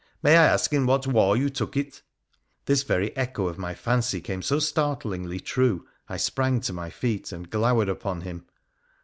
' May I ask in what war you took it ?' This very echo of my fancy came so startlingly true, I sprang to my feet and glowered upon him.